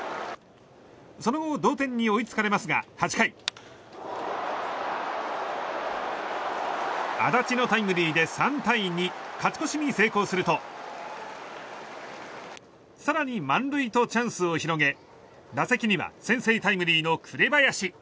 その後、同点に追いつかれますが８回、安達のタイムリーで３対２と勝ち越しに成功すると更に満塁とチャンスを広げ打席には先制タイムリーの紅林。